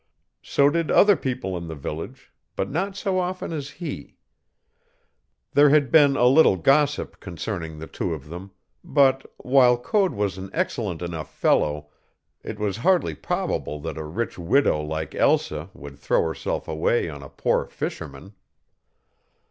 So did other people in the village, but not so often as he. There had been a little gossip concerning the two of them, but, while Code was an excellent enough fellow, it was hardly probable that a rich widow like Elsa would throw herself away on a poor fisherman.